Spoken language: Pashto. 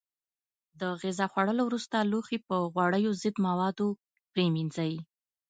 د غذا خوړلو وروسته لوښي په غوړیو ضد موادو پرېمنځئ.